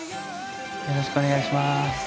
よろしくお願いします。